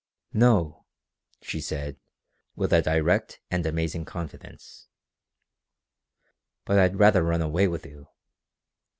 "No," she said with a direct and amazing confidence. "But I'd rather run away with you."